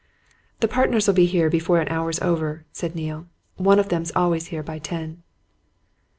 "The partners'll be here before an hour's over," said Neale. "One of them's always here by ten."